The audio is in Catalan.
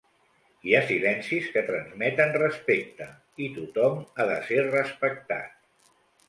Hi ha silencis que transmeten respecte, i tothom ha de ser respectat.